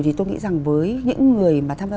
thì tôi nghĩ rằng với những người mà tham gia